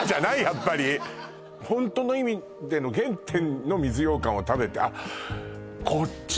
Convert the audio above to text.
やっぱりホントの意味での原点の水ようかんを食べてあっ